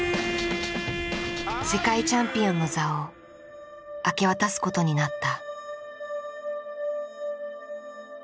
世界チャンピオンの座を明け渡すことになった。